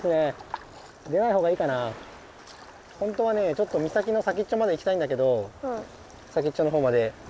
ちょっと岬の先っちょまで行きたいんだけど先っちょのほうまで。